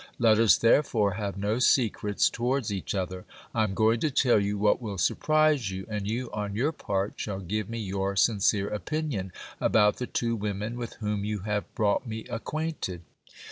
Let us, therefore, have no secrets towards each other. I am going to tell you what will surprise you ; and you on your part shall give me your sincere opinion about the two women with whom you have brought me acquainted.